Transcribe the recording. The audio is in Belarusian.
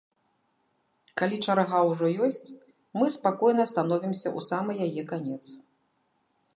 Калі чарга ўжо ёсць, мы спакойна становімся ў самы яе канец.